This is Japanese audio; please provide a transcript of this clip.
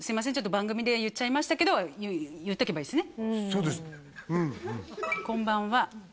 番組で言っちゃいましたけどは言っとけばいいですね